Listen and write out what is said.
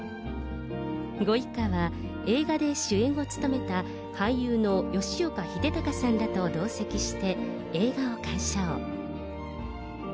ご一家は映画で主演を務めた俳優の吉岡秀隆さんらと同席して、映画を鑑賞。